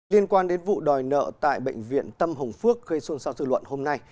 liên quan đến vụ đòi nợ tại bệnh viện tâm hồng phước gây xuân sau dư luận hôm nay